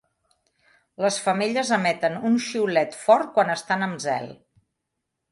Les femelles emeten un xiulet fort quan estan en zel.